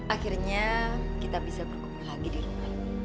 akhirnya kita bisa berkumpul lagi di rumah